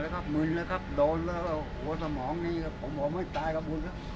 ครับมึนเลยครับโดนแล้วหัวสมองนี่ผมออกไม่ตายครับ